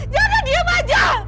jangan diam saja